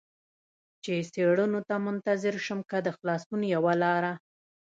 چې څېړنو ته منتظر شم، که د خلاصون یوه لار.